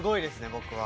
僕は。